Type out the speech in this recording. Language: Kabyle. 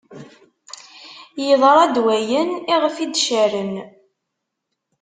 Yeḍra-d wayen iɣef i d-caren.